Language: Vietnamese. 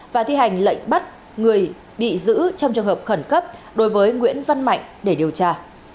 và thi hành lệnh bắt người bị giữ trong trường hợp khẩn cấp đối với nguyễn văn mạnh để điều tra